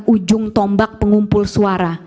ujung tombak pengumpul suara